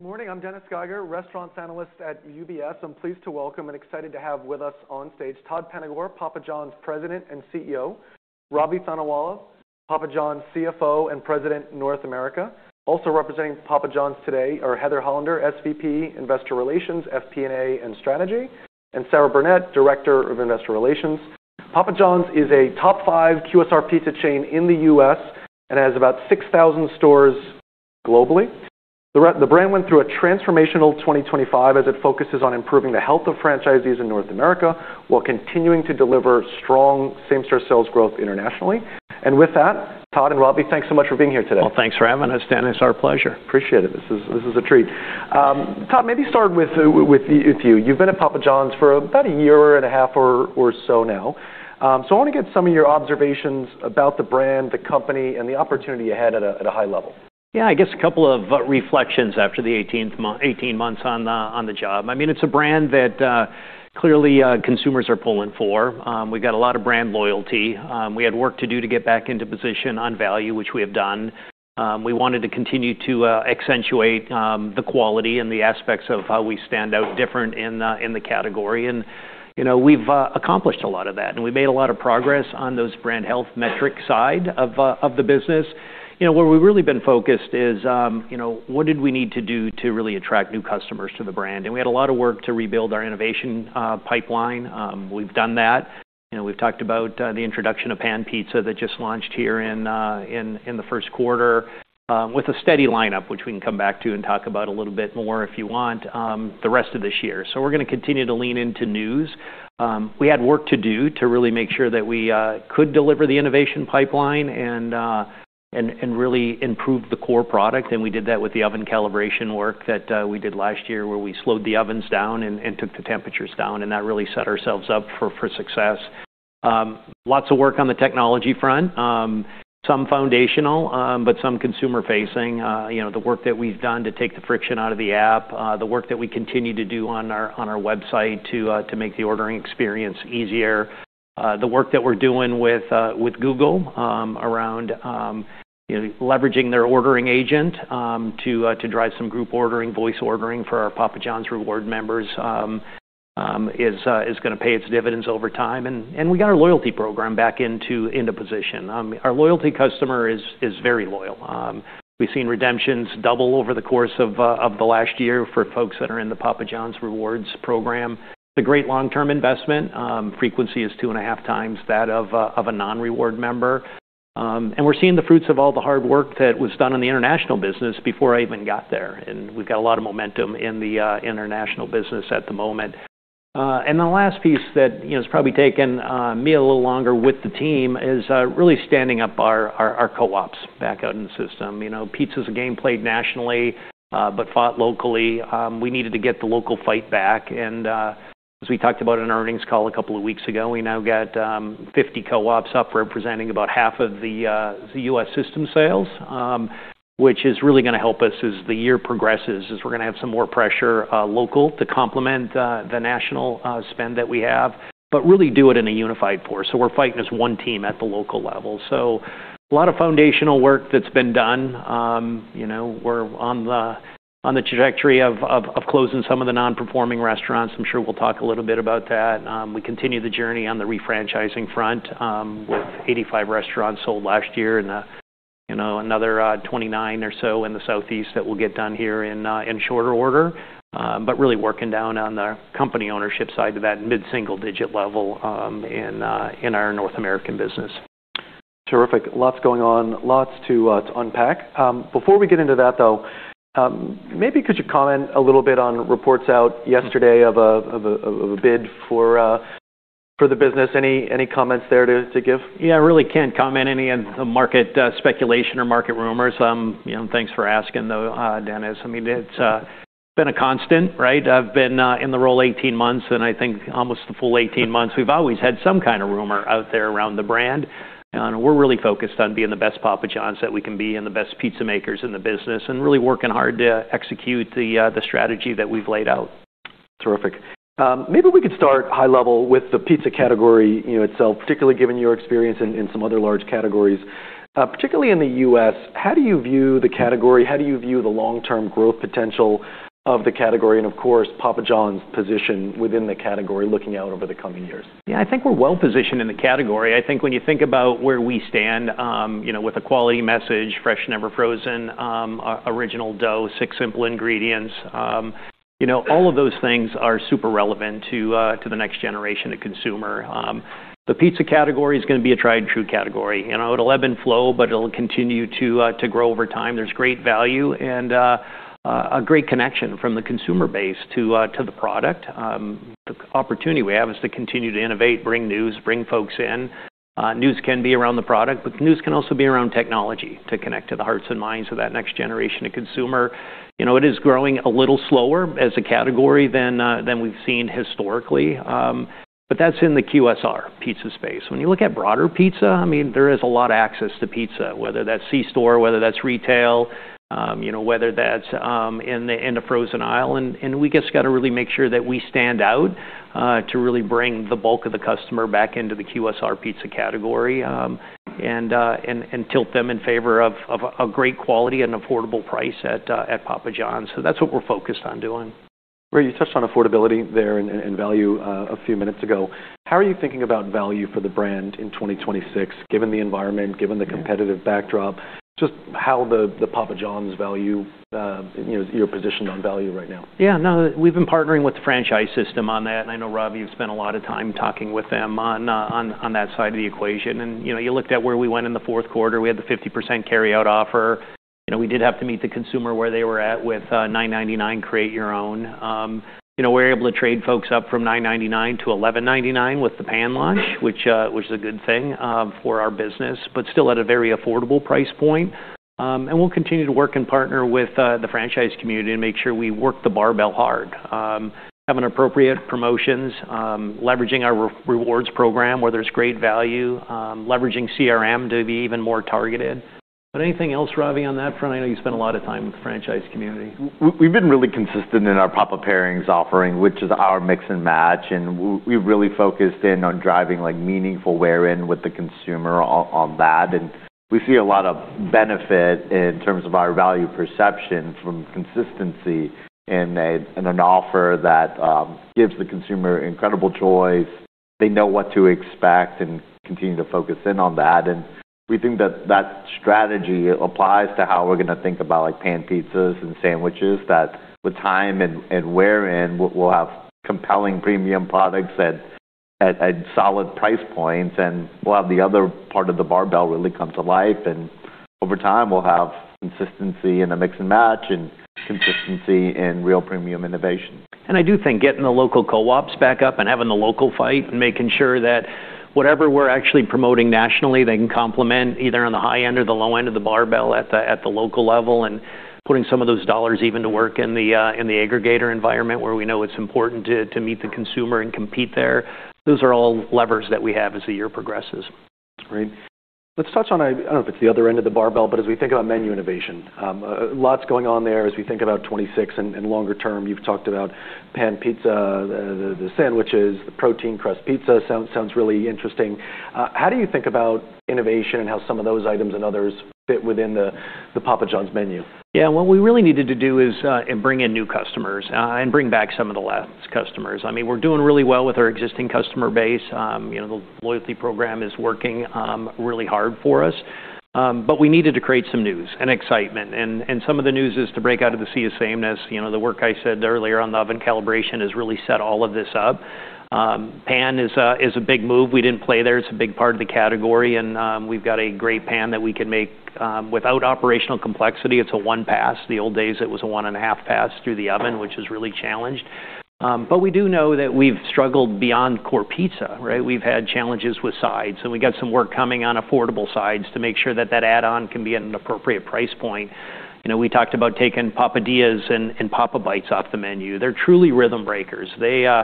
Good morning. I'm Dennis Geiger, Restaurants Analyst at UBS. I'm pleased to welcome and excited to have with us on stage Todd Penegor, Papa Johns President and CEO. Ravi Thanawala, Papa Johns CFO and President, North America. Also representing Papa Johns today are Heather Hollander, SVP, Investor Relations, FP&A, and Strategy, and Sarah Burnett, Director, Investor Relations. Papa Johns is a top five QSR pizza chain in the U.S. and has about 6,000 stores globally. The brand went through a transformational 2025 as it focuses on improving the health of franchisees in North America while continuing to deliver strong same-store sales growth internationally. With that, Todd and Ravi, thanks so much for being here today. Well, thanks for having us, Dennis. Our pleasure. Appreciate it. This is a treat. Todd, maybe start with you. You've been at Papa Johns for about a year and a half or so now. I want to get some of your observations about the brand, the company, and the opportunity ahead at a high level. Yeah, I guess a couple of reflections after the 18 months on the job. I mean, it's a brand that clearly consumers are pulling for. We've got a lot of brand loyalty. We had work to do to get back into position on value, which we have done. We wanted to continue to accentuate the quality and the aspects of how we stand out different in the category. You know, we've accomplished a lot of that, and we've made a lot of progress on those brand health metrics side of the business. You know, where we've really been focused is, you know, what did we need to do to really attract new customers to the brand. We had a lot of work to rebuild our innovation pipeline. We've done that. You know, we've talked about the introduction of Pan Pizza that just launched here in the first quarter with a steady lineup, which we can come back to and talk about a little bit more if you want the rest of this year. We're gonna continue to lean into news. We had work to do to really make sure that we could deliver the innovation pipeline and really improve the core product. We did that with the oven calibration work that we did last year, where we slowed the ovens down and took the temperatures down, and that really set ourselves up for success. Lots of work on the technology front, some foundational, but some consumer-facing. You know, the work that we've done to take the friction out of the app, the work that we continue to do on our website to make the ordering experience easier. The work that we're doing with Google around leveraging their ordering agent to drive some group ordering, voice ordering for our Papa Rewards members is gonna pay its dividends over time. We got our loyalty program back into position. Our loyalty customer is very loyal. We've seen redemptions double over the course of the last year for folks that are in the Papa Rewards program. It's a great long-term investment. Frequency is 2.5 times that of a non-reward member. We're seeing the fruits of all the hard work that was done on the international business before I even got there. We've got a lot of momentum in the international business at the moment. The last piece that, you know, has probably taken me a little longer with the team is really standing up our co-ops back out in the system. You know, pizza's a game played nationally, but fought locally. We needed to get the local fight back. As we talked about in earnings call a couple of weeks ago, we now got 50 co-ops up, representing about half of the U.S. system sales, which is really gonna help us as the year progresses, as we're gonna have some more pressure local to complement the national spend that we have, but really do it in a unified force. We're fighting as one team at the local level. A lot of foundational work that's been done. You know, we're on the trajectory of closing some of the non-performing restaurants. I'm sure we'll talk a little bit about that. We continue the journey on the re-franchising front, with 85 restaurants sold last year and, you know, another 29 or so in the Southeast that we'll get done here in shorter order. Really working down on the company ownership side to that mid-single-digit level, in our North American business. Terrific. Lots going on. Lots to unpack. Before we get into that, though, maybe could you comment a little bit on reports out yesterday of a bid for the business? Any comments there to give? Yeah, I really can't comment on any market speculation or market rumors. You know, thanks for asking, though, Dennis. I mean, it's been a constant, right? I've been in the role 18 months, and I think almost the full 18 months, we've always had some kind of rumor out there around the brand. We're really focused on being the best Papa Johns that we can be and the best pizza makers in the business and really working hard to execute the strategy that we've laid out. Terrific. Maybe we could start high level with the pizza category, you know, itself, particularly given your experience in some other large categories. Particularly in the U.S., how do you view the category? How do you view the long-term growth potential of the category and, of course, Papa Johns position within the category looking out over the coming years? Yeah, I think we're well positioned in the category. I think when you think about where we stand, you know, with a quality message, fresh, never frozen, original dough, six simple ingredients, you know, all of those things are super relevant to to the next generation of consumer. The pizza category is gonna be a tried and true category. You know, it'll ebb and flow, but it'll continue to to grow over time. There's great value and a great connection from the consumer base to to the product. The opportunity we have is to continue to innovate, bring news, bring folks in. News can be around the product, but news can also be around technology to connect to the hearts and minds of that next generation of consumer. You know, it is growing a little slower as a category than we've seen historically. But that's in the QSR pizza space. When you look at broader pizza, I mean, there is a lot of access to pizza, whether that's C-store, whether that's retail, you know, whether that's in the frozen aisle. We just gotta really make sure that we stand out to really bring the bulk of the customer back into the QSR pizza category, and tilt them in favor of a great quality and affordable price at Papa Johns. That's what we're focused on doing. Ravi, you touched on affordability there and value a few minutes ago. How are you thinking about value for the brand in 2026, given the environment, given the competitive backdrop? Just how the Papa Johns value, you know, you're positioned on value right now. Yeah, no, we've been partnering with the franchise system on that, and I know, Ravi, you've spent a lot of time talking with them on that side of the equation. You know, you looked at where we went in the fourth quarter. We had the 50% carryout offer. You know, we did have to meet the consumer where they were at with $9.99 Create Your Own pizza. You know, we're able to trade folks up from $9.99 to $11.99 with the Pan launch, which was a good thing for our business, but still at a very affordable price point. We'll continue to work and partner with the franchise community to make sure we work the barbell hard. Have an appropriate promotions, leveraging our rewards program where there's great value, leveraging CRM to be even more targeted. Anything else, Ravi, on that front? I know you spend a lot of time with the franchise community. We've been really consistent in our Papa Pairings offering, which is our mix and match, and we really focused in on driving, like, meaningful wear-in with the consumer on that. We see a lot of benefit in terms of our value perception from consistency in an offer that gives the consumer incredible choice. They know what to expect and continue to focus in on that. We think that strategy applies to how we're gonna think about, like, Pan pizzas and sandwiches, that with time and wear-in, we'll have compelling premium products at solid price points, and we'll have the other part of the barbell really come to life. Over time, we'll have consistency in the mix and match and consistency in real premium innovation. I do think getting the local co-ops back up and having the local fight and making sure that whatever we're actually promoting nationally, they can complement either on the high end or the low end of the barbell at the local level, and putting some of those dollars even to work in the aggregator environment where we know it's important to meet the consumer and compete there. Those are all levers that we have as the year progresses. Great. Let's touch on. I don't know if it's the other end of the barbell, but as we think about menu innovation, lots going on there as we think about 2026 and longer term. You've talked about Pan Pizza, the sandwiches, the protein crust pizza. Sounds really interesting. How do you think about innovation and how some of those items and others fit within the Papa Johns menu? Yeah. What we really needed to do is and bring in new customers and bring back some of the lapsed customers. I mean, we're doing really well with our existing customer base. You know, the loyalty program is working really hard for us. We needed to create some news and excitement, and some of the news is to break out of the sea of sameness. You know, the work I said earlier on the oven calibration has really set all of this up. Pan is a big move. We didn't play there. It's a big part of the category, and we've got a great pan that we can make without operational complexity. It's a one pass. The old days, it was a one and a half pass through the oven, which is really challenging. We do know that we've struggled beyond core pizza, right? We've had challenges with sides, so we got some work coming on affordable sides to make sure that that add-on can be at an appropriate price point. You know, we talked about taking Papadias and Papa Bites off the menu. They're truly rhythm breakers. You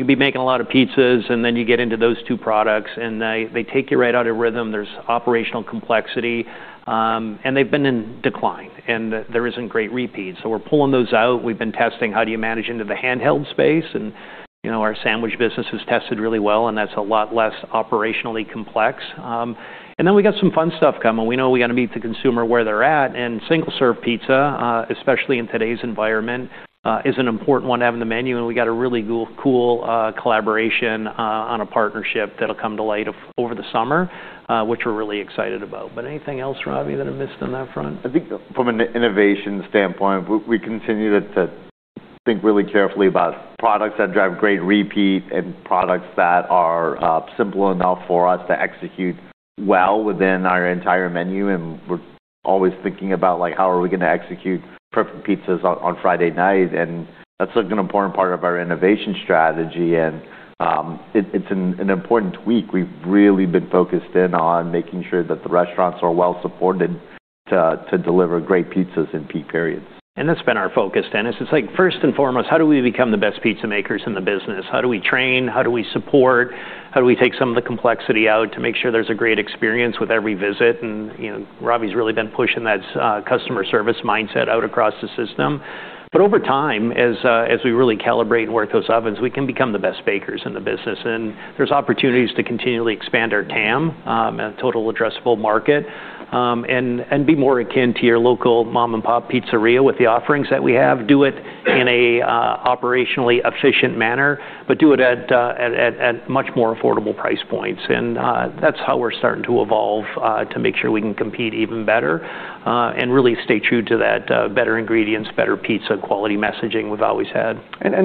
can be making a lot of pizzas, and then you get into those two products, and they take you right out of rhythm. There's operational complexity, and they've been in decline, and there isn't great repeat. So we're pulling those out. We've been testing how do you manage into the handheld space and, you know, our sandwich business has tested really well, and that's a lot less operationally complex. We got some fun stuff coming. We know we got to meet the consumer where they're at, and single-serve pizza, especially in today's environment, is an important one to have in the menu. We got a really cool collaboration on a partnership that'll come to light over the summer, which we're really excited about. Anything else, Ravi, that I missed on that front? I think from an innovation standpoint, we continue to think really carefully about products that drive great repeat and products that are simple enough for us to execute well within our entire menu. We're always thinking about, like, how are we gonna execute perfect pizzas on Friday night, and that's, like, an important part of our innovation strategy. It's an important tweak. We've really been focused in on making sure that the restaurants are well supported to deliver great pizzas in peak periods. That's been our focus, Dennis. It's like, first and foremost, how do we become the best pizza makers in the business? How do we train? How do we support? How do we take some of the complexity out to make sure there's a great experience with every visit? You know, Ravi's really been pushing that customer service mindset out across the system. Over time, as we really calibrate and work those ovens, we can become the best bakers in the business. There's opportunities to continually expand our TAM, total addressable market, and be more akin to your local mom-and-pop pizzeria with the offerings that we have. Do it in an operationally efficient manner, but do it at much more affordable price points. That's how we're starting to evolve to make sure we can compete even better and really stay true to that better ingredients, better pizza quality messaging we've always had.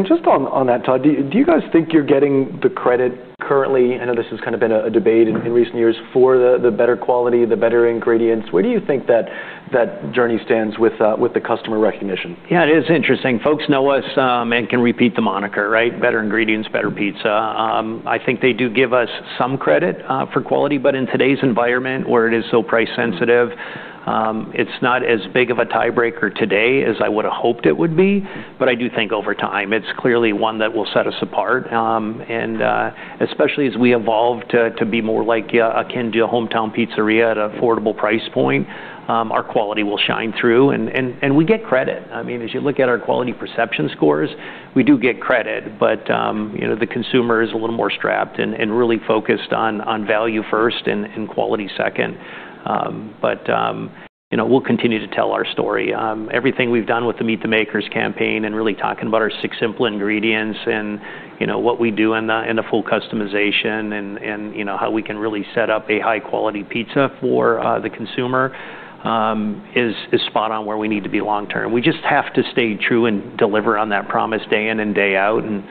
Just on that, Todd, do you guys think you're getting the credit currently? I know this has kind of been a debate in recent years for the better quality, the better ingredients. Where do you think that journey stands with the customer recognition? Yeah, it is interesting. Folks know us and can repeat the moniker, right? Better ingredients, better pizza. I think they do give us some credit for quality, but in today's environment where it is so price sensitive, it's not as big of a tiebreaker today as I would've hoped it would be. I do think over time, it's clearly one that will set us apart. Especially as we evolve to be more like akin to a hometown pizzeria at an affordable price point, our quality will shine through. We get credit. I mean, as you look at our quality perception scores, we do get credit. You know, the consumer is a little more strapped and really focused on value first and quality second. You know, we'll continue to tell our story. Everything we've done with the Meet the Makers campaign and really talking about our six simple ingredients and, you know, what we do in the full customization and, you know, how we can really set up a high-quality pizza for the consumer is spot on where we need to be long term. We just have to stay true and deliver on that promise day in and day out and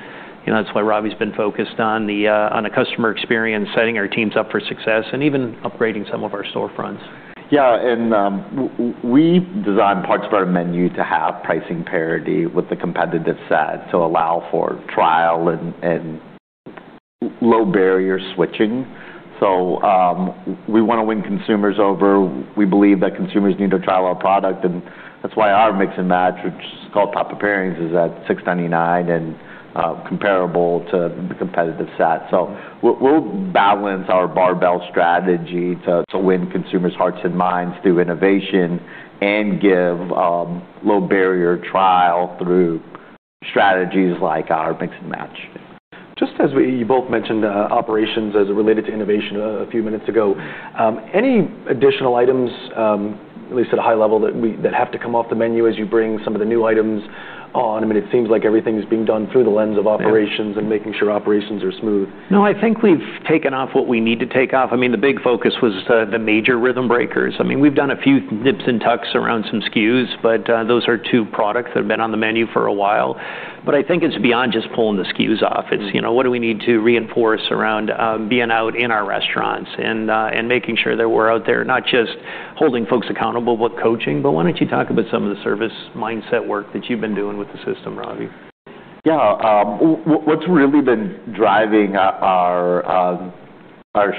you know, that's why Ravi's been focused on a customer experience, setting our teams up for success, and even upgrading some of our storefronts. Yeah. We designed parts of our menu to have pricing parity with the competitive set to allow for trial and low barrier switching. We wanna win consumers over. We believe that consumers need to try our product, and that's why our mix and match, which is called Papa Pairings, is at $6.99 and comparable to the competitive set. We'll balance our barbell strategy to win consumers' hearts and minds through innovation and give low barrier trial through strategies like our mix and match. You both mentioned operations as it related to innovation a few minutes ago. Any additional items, at least at a high level, that have to come off the menu as you bring some of the new items on? I mean, it seems like everything's being done through the lens of operations. Yes. Making sure operations are smooth. No, I think we've taken off what we need to take off. I mean, the big focus was the major rhythm breakers. I mean, we've done a few nips and tucks around some SKUs, but those are two products that have been on the menu for a while. I think it's beyond just pulling the SKUs off. Mm. It's, you know, what do we need to reinforce around being out in our restaurants and making sure that we're out there, not just holding folks accountable with coaching. Why don't you talk about some of the service mindset work that you've been doing with the system, Ravi? What's really been driving our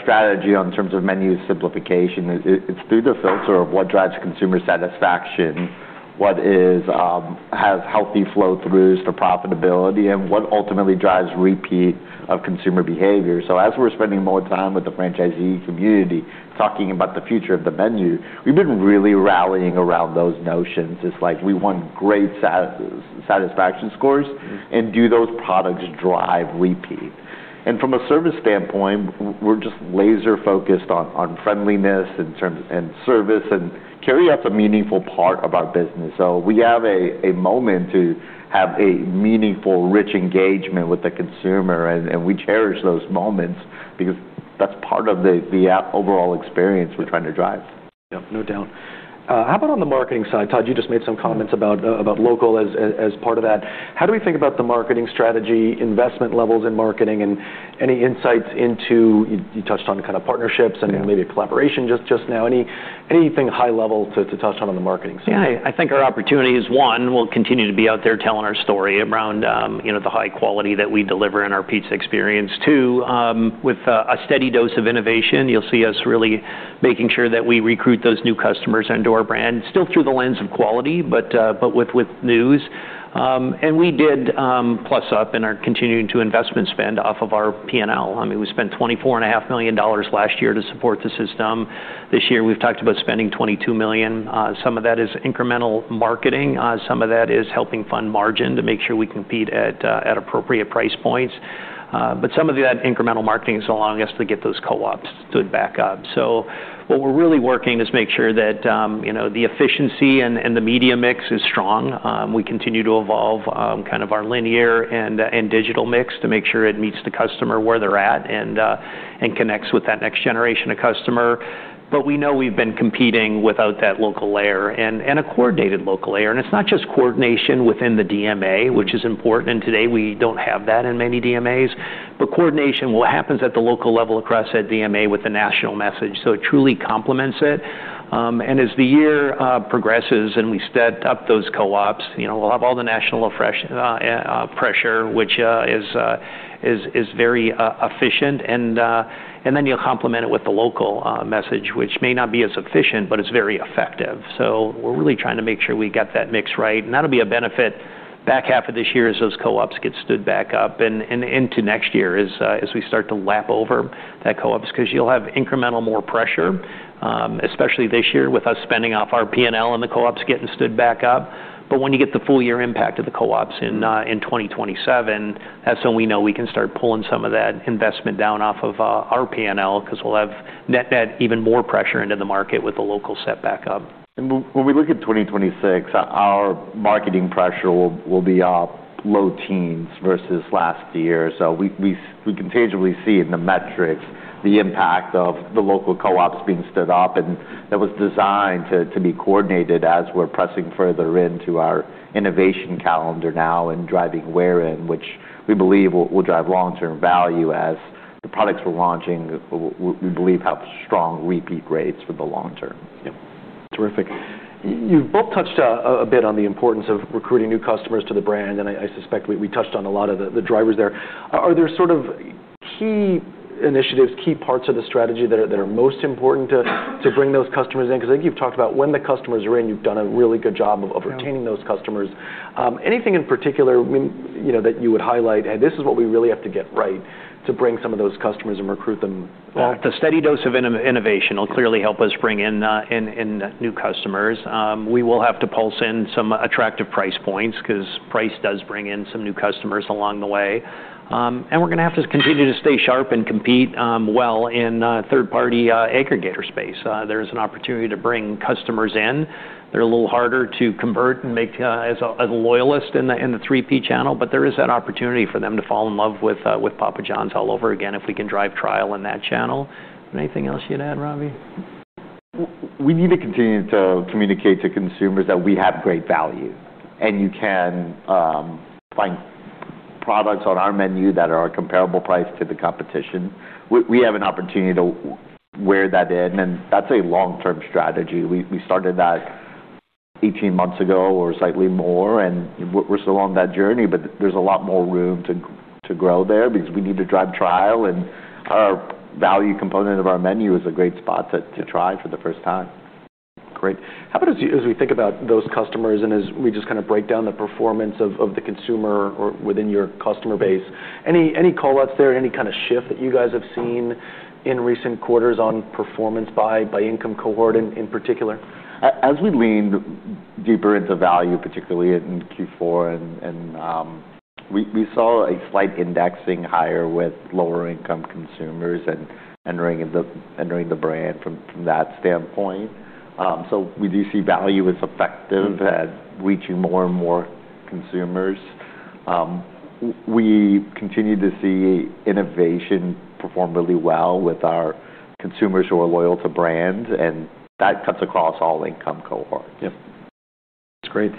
strategy in terms of menu simplification is it's through the filter of what drives consumer satisfaction, what has healthy flow-throughs for profitability, and what ultimately drives repeat of consumer behavior. As we're spending more time with the franchisee community, talking about the future of the menu, we've been really rallying around those notions. It's like we want great satisfaction scores- Mm.... do those products drive repeat? From a service standpoint, we're just laser-focused on friendliness in terms of service, and carry out's a meaningful part of our business. We have a moment to have a meaningful, rich engagement with the consumer, and we cherish those moments because that's part of the app overall experience we're trying to drive. Yep, no doubt. How about on the marketing side? Todd, you just made some comments about- Mm. ...about local ads as part of that. How do we think about the marketing strategy, investment levels in marketing, and any insights into. You touched on the kind of partnerships. Yeah. Maybe a collaboration just now. Anything high level to touch on the marketing side? Yeah. I think our opportunity is, one, we'll continue to be out there telling our story around, you know, the high quality that we deliver in our pizza experience. Two, with a steady dose of innovation, you'll see us really making sure that we recruit those new customers into our brand, still through the lens of quality, but with news. We did plus up and are continuing to investment spend off of our P&L. I mean, we spent $24 and a half million last year to support the system. This year, we've talked about spending $22 million. Some of that is incremental marketing. Some of that is helping fund margin to make sure we compete at appropriate price points. Some of that incremental marketing is allowing us to get those co-ops stood back up. What we're really working is make sure that, you know, the efficiency and the media mix is strong. We continue to evolve kind of our linear and digital mix to make sure it meets the customer where they're at and connects with that next generation of customer. We know we've been competing without that local layer and a coordinated local layer. It's not just coordination within the DMA, which is important. Today, we don't have that in many DMAs. Coordination, what happens at the local level across that DMA with the national message, so it truly complements it. As the year progresses and we step up those co-ops, you know, we'll have all the national pressure, which is very efficient. You'll complement it with the local message, which may not be as efficient, but it's very effective. We're really trying to make sure we get that mix right. That'll be a benefit back half of this year as those co-ops get stood back up and into next year as we start to lap over that co-ops, 'cause you'll have incremental more pressure, especially this year with us spending off our P&L and the co-ops getting stood back up. When you get the full year impact of the co-ops- Mm. ...in 2027, that's when we know we can start pulling some of that investment down off of our P&L 'cause we'll have net-net even more pressure into the market with the local set back up. When we look at 2026, our marketing pressure will be up low teens versus last year. We can tangibly see in the metrics the impact of the local co-ops being stood up, and that was designed to be coordinated as we're pressing further into our innovation calendar now and driving wear-in, which we believe will drive long-term value as the products we're launching we believe have strong repeat rates for the long term. Yep. Terrific. You've both touched a bit on the importance of recruiting new customers to the brand, and I suspect we touched on a lot of the drivers there. Are there sort of key initiatives, key parts of the strategy that are most important to bring those customers in? 'Cause I think you've talked about when the customers are in, you've done a really good job of retaining those customers. Anything in particular, you know, that you would highlight, "Hey, this is what we really have to get right to bring some of those customers and recruit them back? Well, the steady dose of innovation will clearly help us bring in new customers. We will have to pulse in some attractive price points 'cause price does bring in some new customers along the way. We're gonna have to continue to stay sharp and compete well in third-party aggregator space. There's an opportunity to bring customers in. They're a little harder to convert and make as a loyalist in the three P channel, but there is that opportunity for them to fall in love with Papa Johns all over again if we can drive trial in that channel. Anything else you'd add, Ravi? We need to continue to communicate to consumers that we have great value, and you can find products on our menu that are comparable price to the competition. We have an opportunity to work that in, and that's a long-term strategy. We started that 18 months ago or slightly more, and we're still on that journey, but there's a lot more room to grow there because we need to drive trial, and our value component of our menu is a great spot to try for the first time. Great. How about as we think about those customers and as we just kind of break down the performance of the consumer or within your customer base, any call-outs there, any kind of shift that you guys have seen in recent quarters on performance by income cohort in particular? As we leaned deeper into value, particularly in Q4, we saw a slight indexing higher with lower-income consumers and entering the brand from that standpoint. We do see value as effective at reaching more and more consumers. We continue to see innovation perform really well with our consumers who are loyal to brands, and that cuts across all income cohorts. Yep. That's great.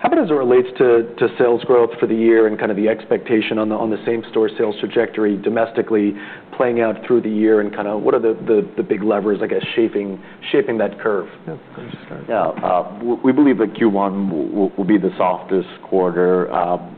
How about as it relates to sales growth for the year and kind of the expectation on the same-store sales trajectory domestically playing out through the year and kind of what are the big levers, I guess, shaping that curve? Yeah. I'll just start. Yeah. We believe that Q1 will be the softest quarter.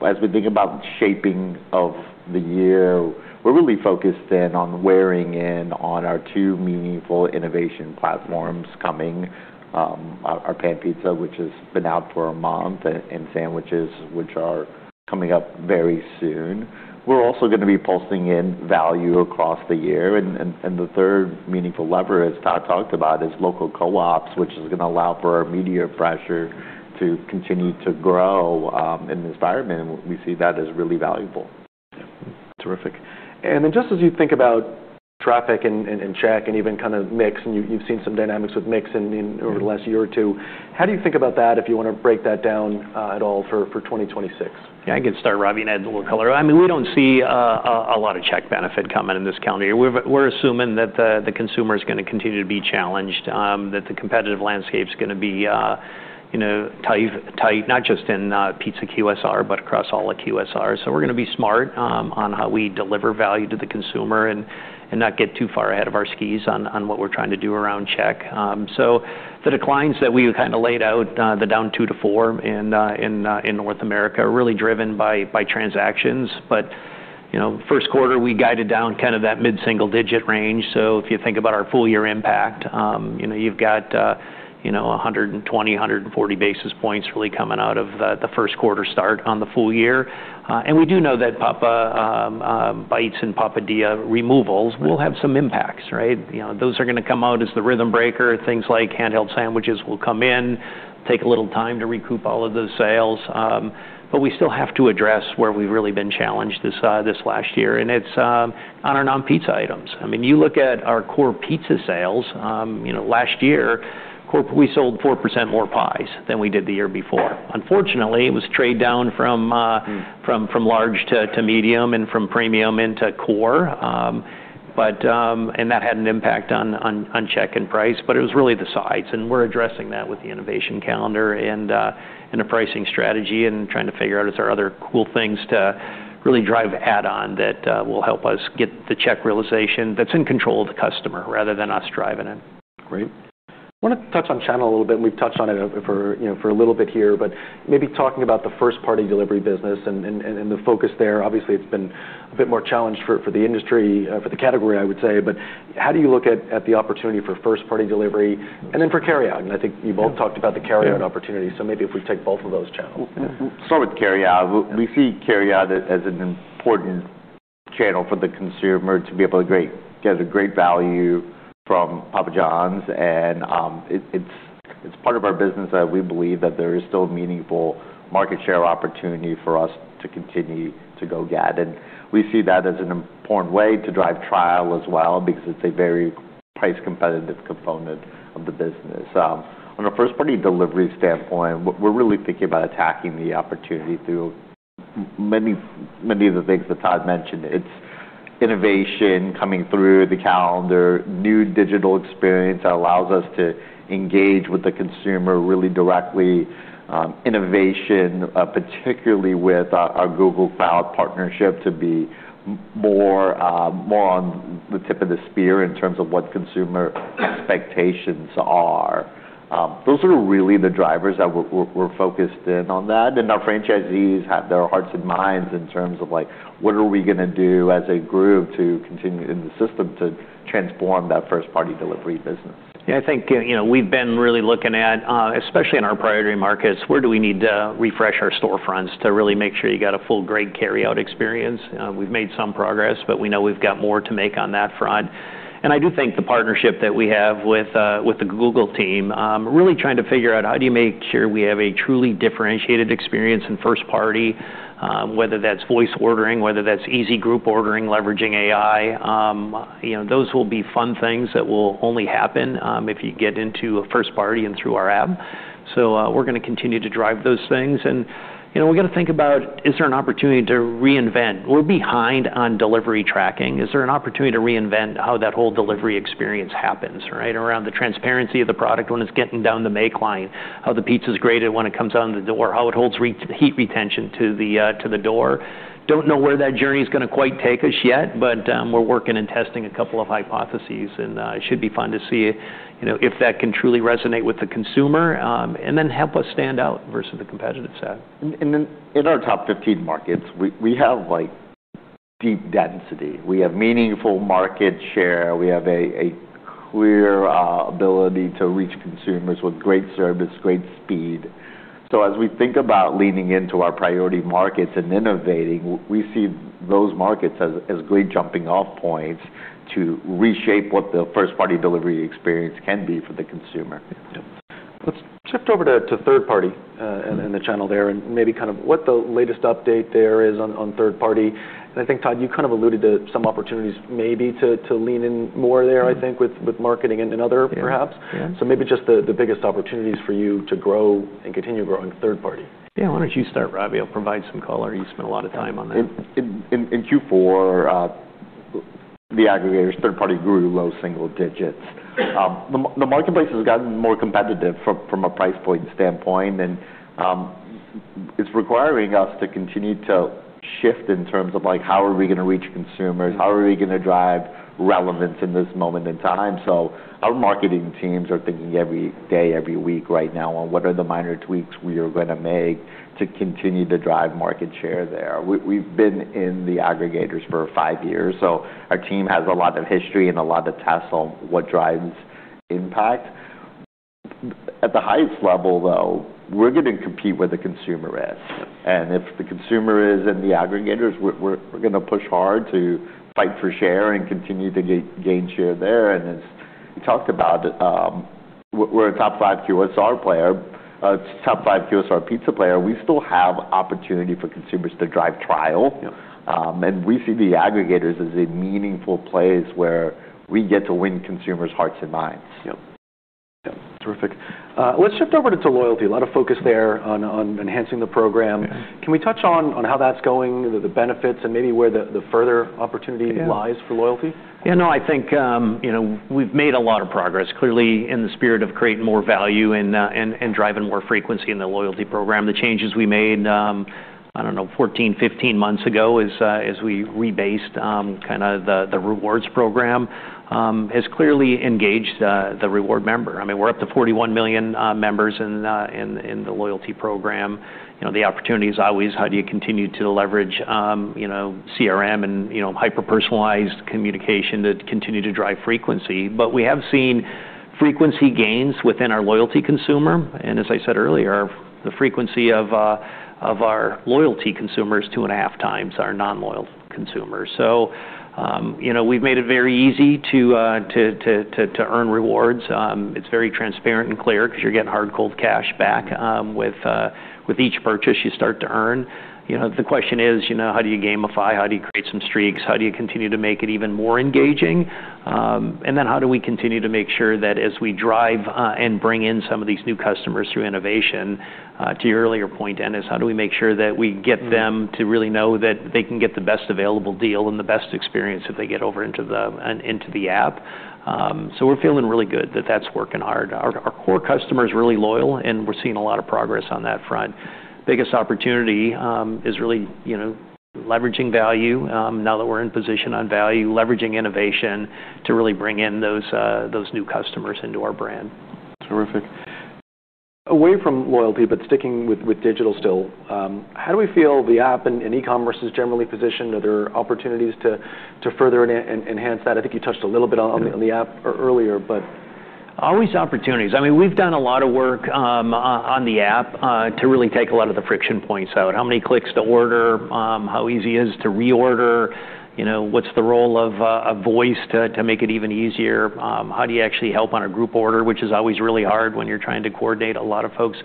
As we think about shaping of the year, we're really focused in on zeroing in on our two meaningful innovation platforms coming, our Pan Pizza, which has been out for a month, and sandwiches, which are coming up very soon. We're also gonna be pulsing in value across the year. The third meaningful lever, as Todd talked about, is local co-ops, which is gonna allow for our media presence to continue to grow in this environment, and we see that as really valuable. Yeah. Terrific. Then just as you think about traffic and check and even kind of mix, and you've seen some dynamics with mix in over the last year or two, how do you think about that if you wanna break that down at all for 2026? Yeah, I can start, Ravi, and add a little color. I mean, we don't see a lot of check benefit coming in this calendar year. We're assuming that the consumer is gonna continue to be challenged, that the competitive landscape's gonna be, you know, tight, not just in pizza QSR, but across all the QSRs. We're gonna be smart on how we deliver value to the consumer and not get too far ahead of our skis on what we're trying to do around check. The declines that we kind of laid out, the down 2%-4% in North America are really driven by transactions. You know, first quarter, we guided down kind of that mid-single-digit range. If you think about our full-year impact, you know, you've got 120-140 basis points really coming out of the first quarter start on the full year. We do know that Papa Bites and Papadias removals will have some impacts, right? You know, those are gonna come out as the rhythm breaker. Things like handheld sandwiches will come in, take a little time to recoup all of those sales. We still have to address where we've really been challenged this last year, and it's on our non-pizza items. I mean, you look at our core pizza sales, you know, last year, we sold 4% more pies than we did the year before. Unfortunately, it was a trade-down from large to medium and from premium into core. That had an impact on check and price, but it was really the sides, and we're addressing that with the innovation calendar and a pricing strategy and trying to figure out if there are other cool things to really drive add-on that will help us get the check realization that's in control of the customer rather than us driving it. Great. I wanna touch on channel a little bit, and we've touched on it for, you know, for a little bit here. Maybe talking about the first-party delivery business and the focus there. Obviously, it's been a bit more challenged for the industry, for the category, I would say. How do you look at the opportunity for first-party delivery and then for carryout? I think you both talked about the carryout opportunity, so maybe if we take both of those channels. We'll start with carryout. We see carryout as an important channel for the consumer to be able to get a great value from Papa Johns. It's part of our business that we believe that there is still meaningful market share opportunity for us to continue to go get. We see that as an important way to drive trial as well because it's a very price-competitive component of the business. On a first-party delivery standpoint, we're really thinking about attacking the opportunity through many of the things that Todd mentioned. It's innovation coming through the calendar, new digital experience that allows us to engage with the consumer really directly, innovation particularly with our Google Cloud partnership to be more on the tip of the spear in terms of what consumer expectations are. Those are really the drivers that we're focused in on that. Our franchisees have their hearts and minds in terms of, like, what are we gonna do as a group to continue in the system to transform that first-party delivery business. Yeah, I think, you know, we've been really looking at, especially in our priority markets, where do we need to refresh our storefronts to really make sure you got a full great carryout experience. We've made some progress, but we know we've got more to make on that front. I do think the partnership that we have with the Google team, really trying to figure out how do you make sure we have a truly differentiated experience in first party, whether that's voice ordering, whether that's easy group ordering, leveraging AI. You know, those will be fun things that will only happen, if you get into a first party and through our app. We're gonna continue to drive those things. You know, we got to think about, is there an opportunity to reinvent? We're behind on delivery tracking. Is there an opportunity to reinvent how that whole delivery experience happens, right, around the transparency of the product when it's getting down the make line, how the pizza is graded when it comes out the door, how it holds heat retention to the door. Don't know where that journey is gonna quite take us yet, but, we're working and testing a couple of hypotheses, and, it should be fun to see, you know, if that can truly resonate with the consumer, and then help us stand out versus the competitive set. In our top 15 markets, we have, like, deep density. We have meaningful market share. We have a clear ability to reach consumers with great service, great speed. As we think about leaning into our priority markets and innovating, we see those markets as great jumping-off points to reshape what the first-party delivery experience can be for the consumer. Yeah. Let's shift over to third-party and the channel there and maybe kind of what the latest update there is on third-party. I think, Todd, you kind of alluded to some opportunities maybe to lean in more there, I think, with marketing and another perhaps. Yeah. Maybe just the biggest opportunities for you to grow and continue growing third party. Yeah. Why don't you start, Ravi? I'll provide some color. You spent a lot of time on that. In Q4, the aggregators, third-party, grew low single digits. The marketplace has gotten more competitive from a price point standpoint, and it's requiring us to continue to shift in terms of, like, how are we gonna reach consumers? How are we gonna drive relevance in this moment in time? Our marketing teams are thinking every day, every week right now on what are the minor tweaks we are gonna make to continue to drive market share there. We've been in the aggregators for 5 years, so our team has a lot of history and a lot of tests on what drives impact. At the highest level, though, we're gonna compete where the consumer is, and if the consumer is in the aggregators, we're gonna push hard to fight for share and continue to gain share there. As we talked about, we're a top five QSR player, top five QSR pizza player. We still have opportunity for consumers to drive trial. Yeah. We see the aggregators as a meaningful place where we get to win consumers' hearts and minds. Yeah. Yeah. Terrific. Let's shift over to loyalty. A lot of focus there on enhancing the program. Yeah. Can we touch on how that's going, the benefits and maybe where the further opportunity lies for loyalty? Yeah. No. I think, you know, we've made a lot of progress, clearly, in the spirit of creating more value and driving more frequency in the loyalty program. The changes we made, I don't know, 14 months, 15 months ago as we rebased, kinda the rewards program, has clearly engaged the reward member. I mean, we're up to 41 million, members in, in the loyalty program. You know, the opportunity's always how do you continue to leverage, you know, CRM and, you know, hyper-personalized communication that continue to drive frequency. But we have seen frequency gains within our loyalty consumer. As I said earlier, the frequency of our loyalty consumer is 2.5 times our non-loyal consumer. So, you know, we've made it very easy to earn rewards. It's very transparent and clear 'cause you're getting hard, cold cash back, with each purchase you start to earn. You know, the question is, you know, how do you gamify, how do you create some streaks, how do you continue to make it even more engaging? Then how do we continue to make sure that as we drive and bring in some of these new customers through innovation, to your earlier point, Dennis, how do we make sure that we get them to really know that they can get the best available deal and the best experience if they get over into the app? We're feeling really good that that's working hard. Our core customer is really loyal, and we're seeing a lot of progress on that front. Biggest opportunity is really, you know, leveraging value, now that we're in position on value, leveraging innovation to really bring in those new customers into our brand. Terrific. Away from loyalty, but sticking with digital still, how do we feel the app and e-commerce is generally positioned? Are there opportunities to further enhance that? I think you touched a little bit on the app earlier but. Always opportunities. I mean, we've done a lot of work on the app to really take a lot of the friction points out. How many clicks to order, how easy it is to reorder. You know, what's the role of a voice to make it even easier? How do you actually help on a group order, which is always really hard when you're trying to coordinate a lot of folks.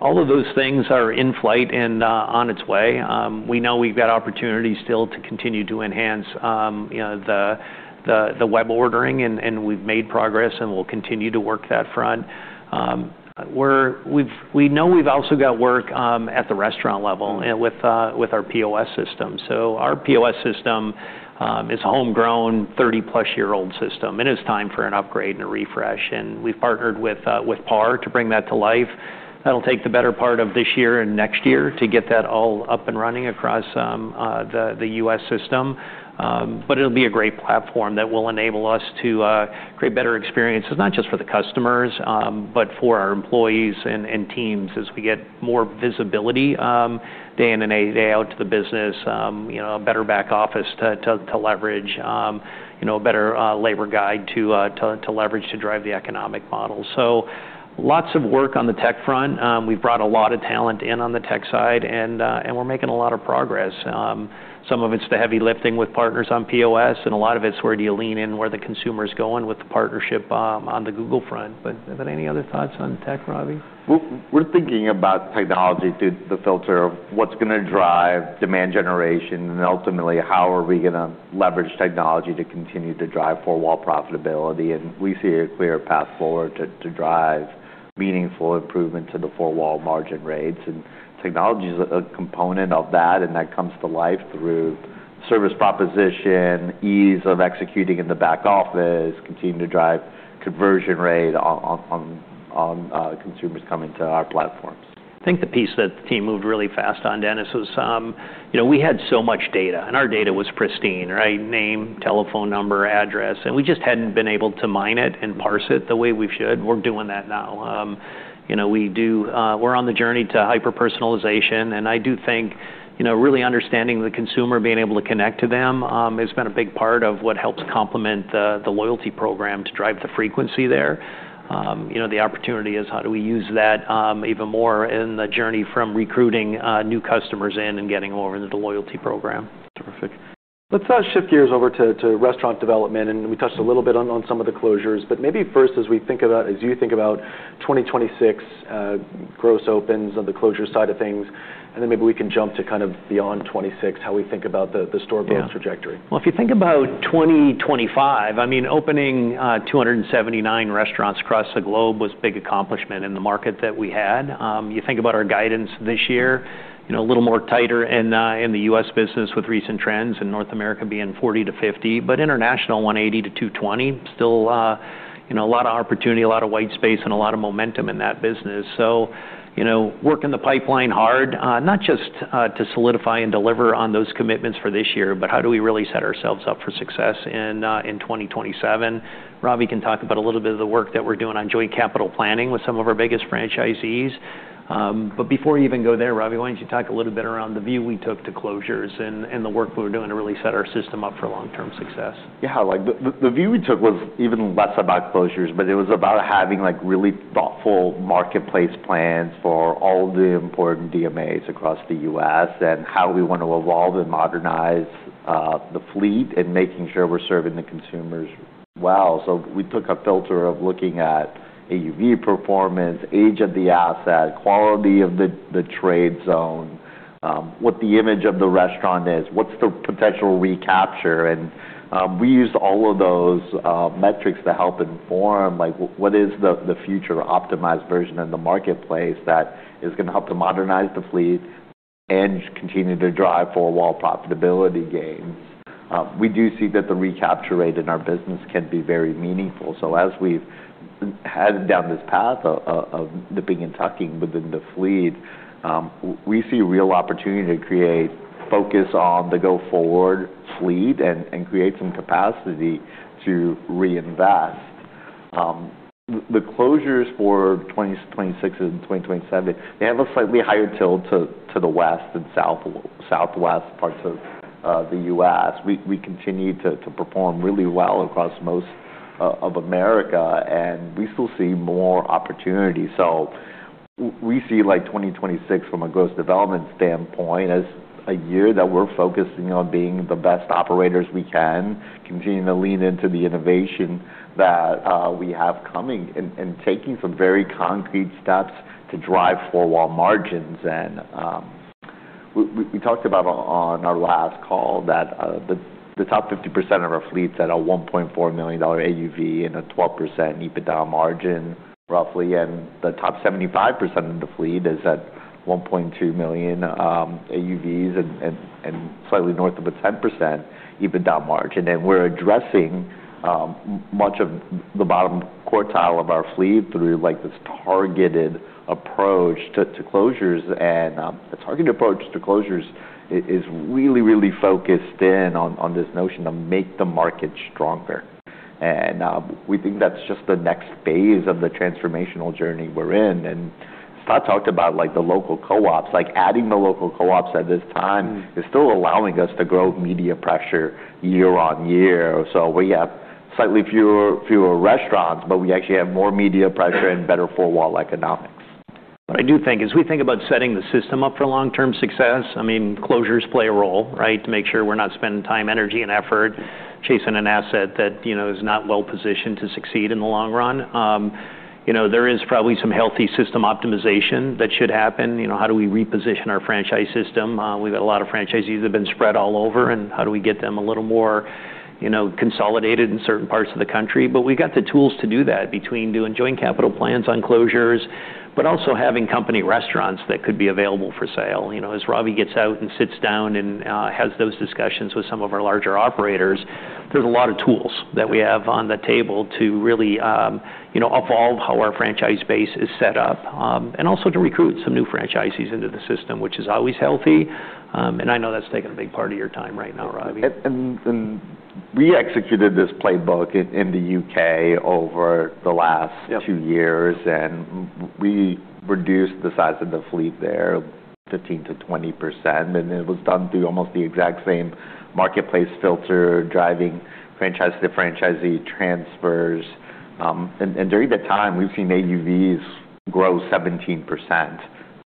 All of those things are in flight and on its way. We know we've got opportunities still to continue to enhance, you know, the web ordering and we've made progress, and we'll continue to work that front. We know we've also got work at the restaurant level and with our POS system. Our POS system is homegrown, 30+year old system, and it's time for an upgrade and a refresh. We've partnered with PAR to bring that to life. That'll take the better part of this year and next year to get that all up and running across the U.S. system. But it'll be a great platform that will enable us to create better experiences, not just for the customers, but for our employees and teams as we get more visibility day in and a day out to the business, you know, a better back office to leverage, you know, a better labor guide to leverage to drive the economic model. Lots of work on the tech front. We've brought a lot of talent in on the tech side, and we're making a lot of progress. Some of it's the heavy lifting with partners on POS, and a lot of it's where do you lean in, where the consumer is going with the partnership on the Google front. Are there any other thoughts on tech, Ravi? We're thinking about technology through the filter of what's gonna drive demand generation, and ultimately, how are we gonna leverage technology to continue to drive four-wall profitability. We see a clear path forward to drive meaningful improvement to the four-wall margin rates. Technology is a component of that, and that comes to life through service proposition, ease of executing in the back office, continue to drive conversion rate on consumers coming to our platforms. I think the piece that the team moved really fast on, Dennis, was, you know, we had so much data, and our data was pristine, right? Name, telephone number, address, and we just hadn't been able to mine it and parse it the way we should. We're doing that now. We're on the journey to hyper-personalization, and I do think, you know, really understanding the consumer, being able to connect to them, has been a big part of what helps complement the loyalty program to drive the frequency there. The opportunity is how do we use that, even more in the journey from recruiting new customers in and getting over into the loyalty program. Terrific. Let's shift gears over to restaurant development, and we touched a little bit on some of the closures. Maybe first, as you think about 2026, gross opens on the closure side of things, and then maybe we can jump to kind of beyond 2026, how we think about the store build trajectory. Well, if you think about 2025, I mean, opening 279 restaurants across the globe was big accomplishment in the market that we had. You think about our guidance this year, you know, a little more tighter in the U.S. business with recent trends in North America being 40-50, but international 180-220. Still, you know, a lot of opportunity, a lot of white space, and a lot of momentum in that business. You know, working the pipeline hard, not just to solidify and deliver on those commitments for this year, but how do we really set ourselves up for success in 2027. Ravi can talk about a little bit of the work that we're doing on joint capital planning with some of our biggest franchisees. Before you even go there, Ravi, why don't you talk a little bit around the view we took to closures and the work we're doing to really set our system up for long-term success? Yeah. Like, the view we took was even less about closures, but it was about having, like, really thoughtful marketplace plans for all the important DMAs across the U.S. and how we want to evolve and modernize the fleet and making sure we're serving the consumers well. We took a filter of looking at AUV performance, age of the asset, quality of the trade zone, what the image of the restaurant is, what's the potential recapture. We used all of those metrics to help inform, like what is the future optimized version in the marketplace that is gonna help to modernize the fleet and continue to drive four-wall profitability gains. We do see that the recapture rate in our business can be very meaningful. As we've headed down this path of nipping and tucking within the fleet, we see real opportunity to create focus on the go-forward fleet and create some capacity to reinvest. The closures for 2026 and 2027, they have a slightly higher tilt to the west and southwest parts of the U.S. We continue to perform really well across most of America, and we still see more opportunity. We see, like, 2026 from a gross development standpoint as a year that we're focusing on being the best operators we can, continuing to lean into the innovation that we have coming, and taking some very concrete steps to drive four-wall margins. We talked about on our last call that the top 50% of our fleet is at a $1.4 million AUV and a 12% EBITDA margin, roughly, and the top 75% of the fleet is at $1.2 million AUVs and slightly north of a 10% EBITDA margin. We're addressing much of the bottom quartile of our fleet through, like, this targeted approach to closures. The targeted approach to closures is really focused in on this notion to make the market stronger. We think that's just the next phase of the transformational journey we're in. Todd talked about, like, the local co-ops. Like, adding the local co-ops at this time is still allowing us to grow media pressure year-over-year. We have slightly fewer restaurants, but we actually have more media pressure and better four-wall economics. I do think as we think about setting the system up for long-term success, I mean, closures play a role, right, to make sure we're not spending time, energy, and effort chasing an asset that, you know, is not well positioned to succeed in the long run. You know, there is probably some healthy system optimization that should happen. You know, how do we reposition our franchise system? We've got a lot of franchisees that have been spread all over, and how do we get them a little more, you know, consolidated in certain parts of the country? We got the tools to do that between doing joint capital plans on closures, but also having company restaurants that could be available for sale. You know, as Ravi gets out and sits down and has those discussions with some of our larger operators, there's a lot of tools that we have on the table to really, you know, evolve how our franchise base is set up, and also to recruit some new franchisees into the system, which is always healthy. I know that's taken a big part of your time right now, Ravi. We executed this playbook in the U.K. over the last. Yep. Two years, we reduced the size of the fleet there 15%-20%, and it was done through almost the exact same marketplace filter, driving franchise to franchisee transfers. During that time, we've seen AUVs grow 17%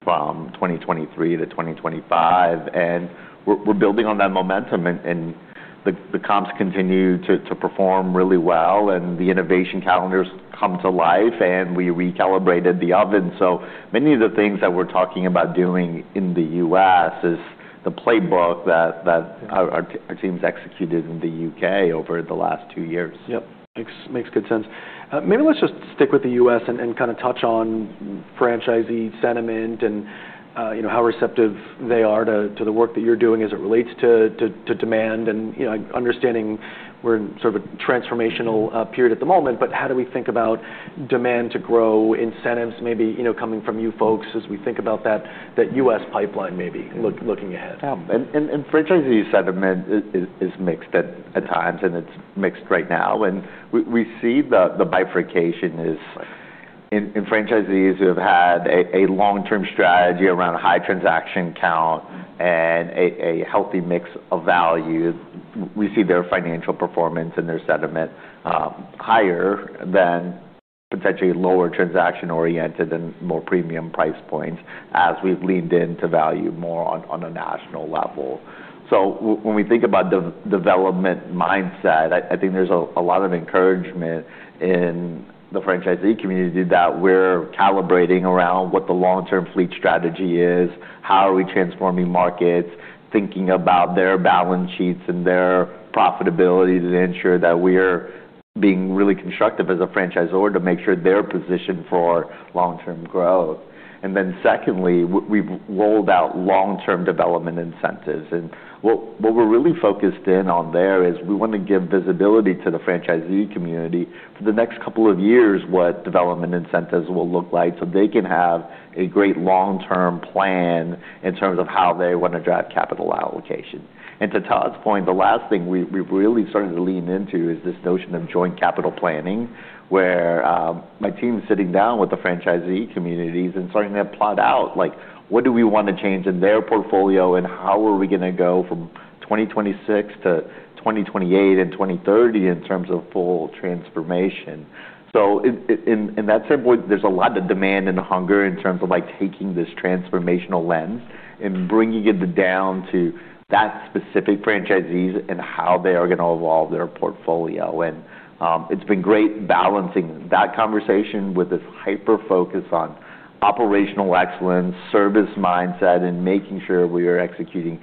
from 2023 to 2025. We're building on that momentum and the comps continue to perform really well, and the innovation calendar's come to life, and we recalibrated the oven. Many of the things that we're talking about doing in the U.S. is the playbook that our team's executed in the U.K. over the last two years. Yep. Makes good sense. Maybe let's just stick with the U.S. and kind of touch on franchisee sentiment and, you know, how receptive they are to the work that you're doing as it relates to demand and, you know, understanding we're in sort of a transformational period at the moment, but how do we think about demand to grow, incentives maybe, you know, coming from you folks as we think about that U.S. pipeline maybe looking ahead? Franchisee sentiment is mixed at times, and it's mixed right now. We see the bifurcation is in franchisees who have had a long-term strategy around high transaction count and a healthy mix of value. We see their financial performance and their sentiment higher than potentially lower transaction-oriented and more premium price points as we've leaned into value more on a national level. When we think about development mindset, I think there's a lot of encouragement in the franchisee community that we're calibrating around what the long-term fleet strategy is, how are we transforming markets, thinking about their balance sheets and their profitability to ensure that we're being really constructive as a franchisor to make sure they're positioned for long-term growth. Then secondly, we've rolled out long-term development incentives. What we're really focused in on there is we wanna give visibility to the franchisee community for the next couple of years, what development incentives will look like, so they can have a great long-term plan in terms of how they wanna drive capital allocation. To Todd's point, the last thing we've really started to lean into is this notion of joint capital planning, where my team's sitting down with the franchisee communities and starting to plot out, like, what do we wanna change in their portfolio, and how are we gonna go from 2026 to 2028 and 2030 in terms of full transformation. In that same way, there's a lot of demand and hunger in terms of, like, taking this transformational lens and bringing it down to that specific franchisees and how they are gonna evolve their portfolio. It's been great balancing that conversation with this hyper-focus on operational excellence, service mindset, and making sure we are executing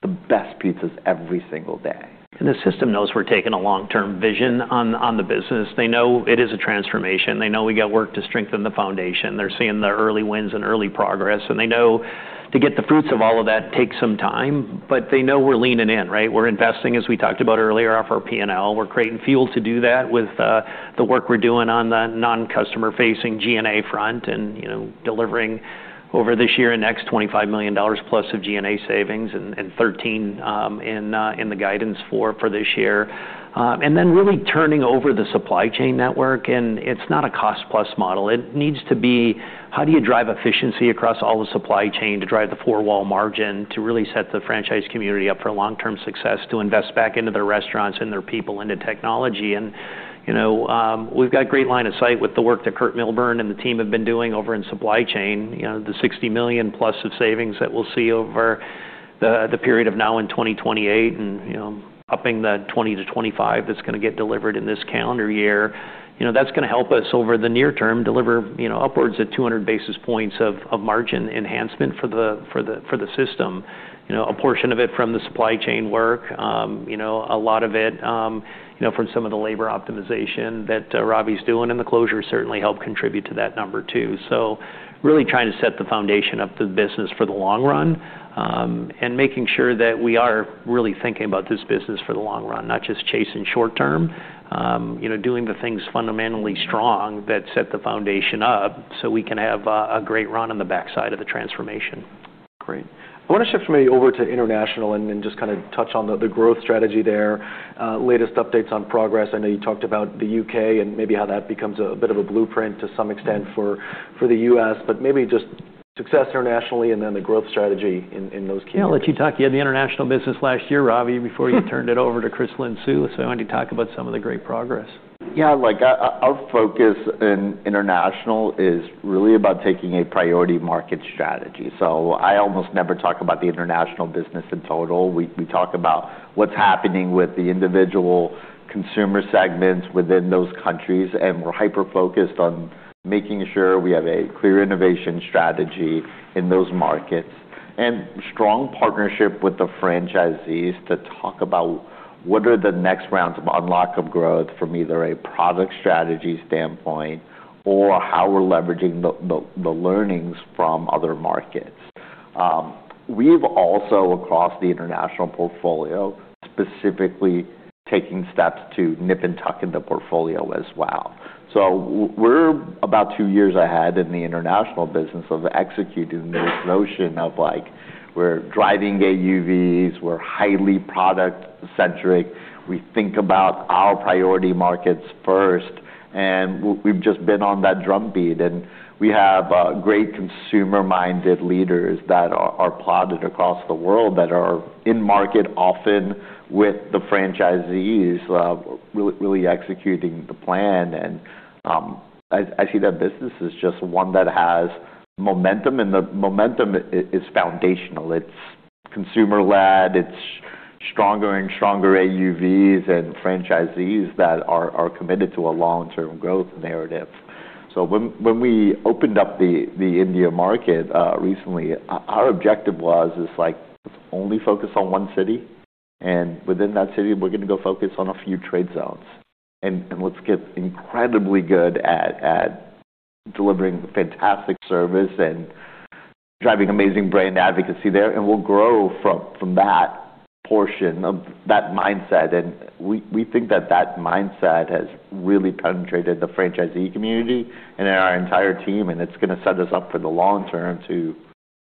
the best pizzas every single day. The system knows we're taking a long-term vision on the business. They know it is a transformation. They know we got work to strengthen the foundation. They're seeing the early wins and early progress, and they know to get the fruits of all of that takes some time, but they know we're leaning in, right? We're investing, as we talked about earlier, off our P&L. We're creating fuel to do that with the work we're doing on the non-customer-facing G&A front and, you know, delivering over this year the next $25 million plus of G&A savings and $13 million in the guidance for this year. And then really turning over the supply chain network, and it's not a cost-plus model. It needs to be how do you drive efficiency across all the supply chain to drive the four-wall margin to really set the franchise community up for long-term success to invest back into their restaurants and their people into technology. You know, we've got great line of sight with the work that Kurt Milburn and the team have been doing over in supply chain. You know, the $60 million plus of savings that we'll see over the period of now and 2028 and, you know, upping the 2020 to 2025 that's gonna get delivered in this calendar year. You know, that's gonna help us over the near term deliver, you know, upwards of 200 basis points of margin enhancement for the system. You know, a portion of it from the supply chain work. You know, a lot of it, you know, from some of the labor optimization that Ravi's doing and the closures certainly help contribute to that number too. Really trying to set the foundation of the business for the long run, and making sure that we are really thinking about this business for the long run, not just chasing short term. Doing the things fundamentally strong that set the foundation up so we can have a great run on the backside of the transformation. Great. I wanna shift maybe over to international and then just kind of touch on the growth strategy there. Latest updates on progress. I know you talked about the U.K. and maybe how that becomes a bit of a blueprint to some extent for the US, but maybe just success internationally and then the growth strategy in those key- Yeah, I'll let you talk. You had the international business last year, Ravi, before you turned it over to Chris Lyn-Sue, so why don't you talk about some of the great progress? Yeah, like our focus in international is really about taking a priority market strategy. I almost never talk about the international business in total. We talk about what's happening with the individual consumer segments within those countries, and we're hyper-focused on making sure we have a clear innovation strategy in those markets and strong partnership with the franchisees to talk about what are the next rounds of unlock of growth from either a product strategy standpoint or how we're leveraging the learnings from other markets. We've also across the international portfolio, specifically taking steps to nip and tuck in the portfolio as well. We're about two years ahead in the international business of executing this notion of, like, we're driving AUVs, we're highly product-centric. We think about our priority markets first, and we've just been on that drumbeat. We have great consumer-minded leaders that are plotted across the world that are in market often with the franchisees, really executing the plan. I see that business as just one that has momentum, and the momentum is foundational. It's consumer-led. Stronger and stronger AUVs and franchisees that are committed to a long-term growth narrative. When we opened up the India market recently, our objective was, is like, let's only focus on one city, and within that city, we're gonna go focus on a few trade zones. Let's get incredibly good at delivering fantastic service and driving amazing brand advocacy there, and we'll grow from that portion of that mindset. We think that mindset has really penetrated the franchisee community and our entire team, and it's gonna set us up for the long term to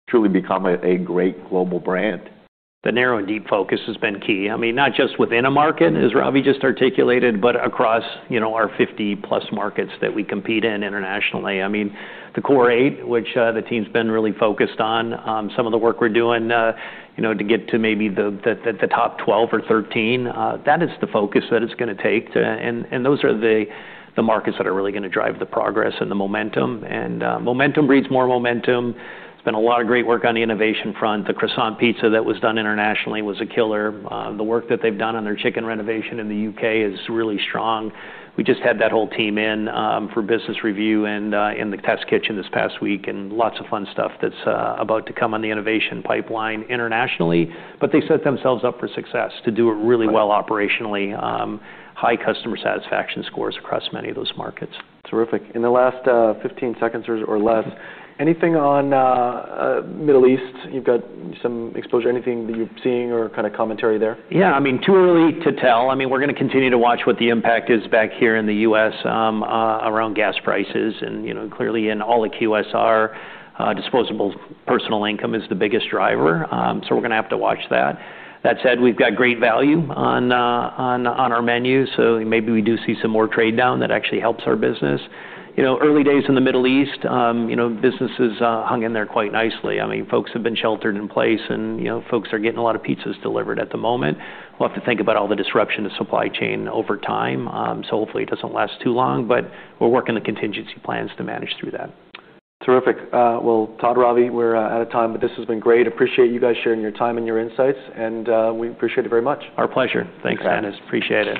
truly become a great global brand. The narrow and deep focus has been key. I mean, not just within a market, as Ravi just articulated, but across, you know, our 50+ markets that we compete in internationally. I mean, the core eight, which the team's been really focused on, some of the work we're doing, you know, to get to maybe the top 12 or 13, that is the focus that it's gonna take to those are the markets that are really gonna drive the progress and the momentum. Momentum breeds more momentum. There's been a lot of great work on the innovation front. The Croissant Pizza that was done internationally was a killer. The work that they've done on their chicken renovation in the U.K. is really strong. We just had that whole team in, for business review and, in the test kitchen this past week, and lots of fun stuff that's, about to come on the innovation pipeline internationally. They set themselves up for success to do it really well operationally. High customer satisfaction scores across many of those markets. Terrific. In the last 15 seconds or less, anything on Middle East? You've got some exposure. Anything that you're seeing or kinda commentary there? Yeah, I mean, too early to tell. I mean, we're gonna continue to watch what the impact is back here in the U.S., around gas prices and, you know, clearly in all the QSR, disposable personal income is the biggest driver. So we're gonna have to watch that. That said, we've got great value on our menu, so maybe we do see some more trade-down that actually helps our business. You know, early days in the Middle East, you know, businesses hung in there quite nicely. I mean, folks have been sheltered in place and, you know, folks are getting a lot of pizzas delivered at the moment. We'll have to think about all the disruption to supply chain over time, so hopefully it doesn't last too long. We're working the contingency plans to manage through that. Terrific. Well, Todd, Ravi, we're out of time, but this has been great. Appreciate you guys sharing your time and your insights, and we appreciate it very much. Our pleasure. Thanks, Dennis. Appreciate it.